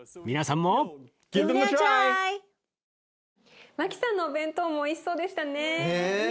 皆さんもマキさんのお弁当もおいしそうでしたね。ね。